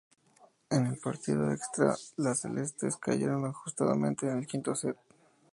En el partido extra las "celestes" cayeron ajustadamente en el quinto set.